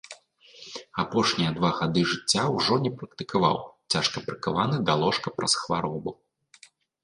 Апошнія два гады жыцця ўжо не практыкаваў, цяжка прыкаваны да ложка праз хваробу.